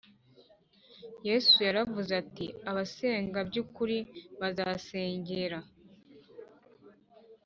Yesu yaravuze ati abasenga by ukuri bazasengera